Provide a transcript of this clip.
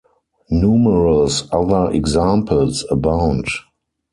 Numerous other examples abound.